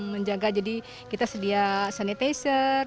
menjaga jadi kita sedia sanitizer